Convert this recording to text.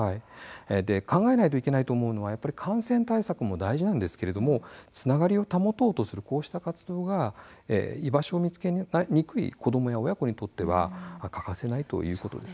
考えないといけないのは感染対策も大事なんですけれどもつながりを保とうとするこうした活動が居場所を見つけにくい子どもや親子にとっては欠かせないということです。